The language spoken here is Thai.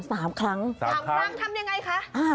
สามครั้งทำยังไงคะ